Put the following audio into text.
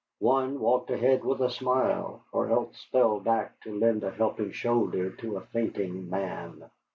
One walked ahead with a smile, or else fell back to lend a helping shoulder to a fainting man.